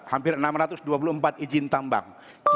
hampir enam ratus dua puluh empat izin tambang